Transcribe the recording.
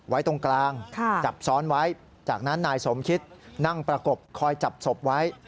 ไว้ตรงกลางจับซ้อนไว้จากนั้นนายสมคิดนั่งประกบคอยจับศพไว้